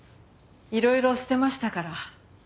いろいろ捨てましたから。